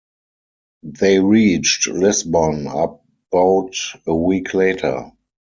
They reached Lisbon about a week later.